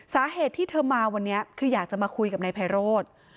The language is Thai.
สาเหตุที่เธอมาวันนี้คืออยากจะมาคุยกับนายไพโรธ